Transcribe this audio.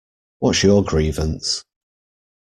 What’s your grievance?